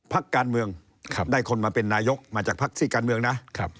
พักการเมืองได้คนมาเป็นนายกมาจากพักซี่การเมืองนะ